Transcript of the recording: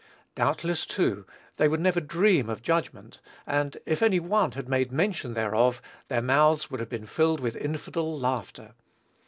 Doubtless, too, they would never dream of judgment, and if any one had made mention thereof, their mouths would have been filled with infidel laughter.